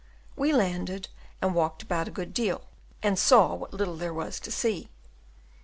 We landed and walked about a good deal, and saw what little there was to see.